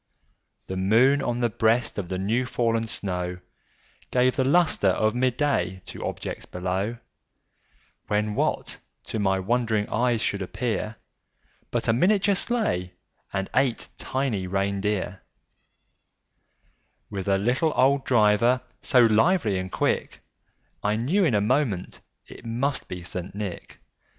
The moon on the breast of the new fallen snow Gave the lustre of mid day to objects below, When, what to my wondering eyes should appear, But a miniature sleigh, and eight tiny reindeer, With a little old driver, so lively and quick, I knew in a moment it must be St. Nick.